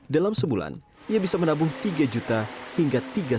dalam sebulan ia bisa menabung tiga juta hingga tiga juta rupiah